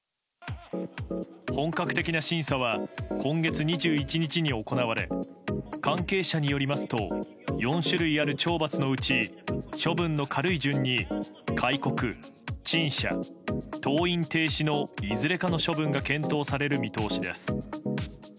本格的な審査は今月２１日に行われ関係者によりますと４種類ある懲罰のうち処分の軽い順に戒告、陳謝、登院停止のいずれかの処分が検討される見通しです。